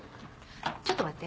ちょっと待って。